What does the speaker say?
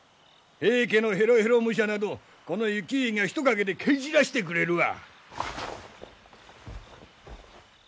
平家のヘロヘロ武者などこの行家が一駆けで蹴散らしてくれるわ！